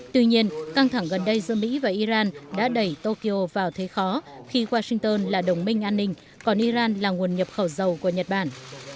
tuy nhiên căng thẳng gần đây giữa mỹ và iran đã đẩy tokyo vào thế khó khi washington là đồng minh an ninh còn iran là nguồn nhập khẩu dầu của nhật bản